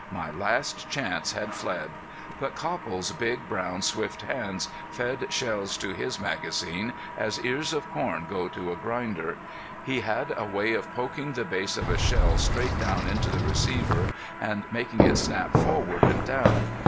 My last chance had fled! But Copple's big, brown, swift hands fed shells to his magazine as ears of corn go to a grinder. He had a way of poking the base of a shell straight down into the receiver and making it snap forward and down.